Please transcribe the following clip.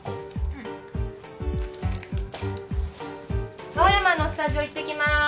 うん青山のスタジオ行ってきまーす